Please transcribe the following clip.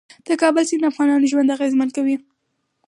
د کابل سیند د افغانانو ژوند اغېزمن کوي.